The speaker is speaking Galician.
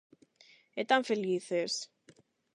E tan felices.